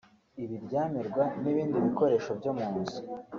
ibiryamirwa n’ibindi bikoresho byo mu nzu